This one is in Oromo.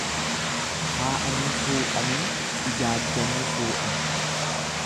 Taa'anii suuqanii ijaajjanii fuudhani.